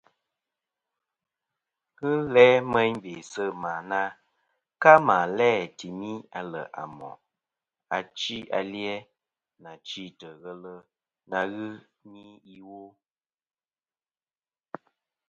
Ghɨ n-læ meyn bè sɨ̂ mà na ka mà læ̂ tìmi aleʼ à mòʼ achi a li-a, nà chîtɨ̀ ghelɨ na ghɨ ni iwo.